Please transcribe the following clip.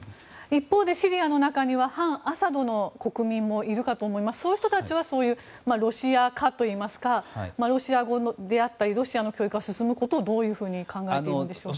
一方でシリアの中には反アサドの国民もいるかと思いますがそういう人たちはロシア化といいますかロシア語であったりロシアの教育が進むことをどう考えているんでしょうか。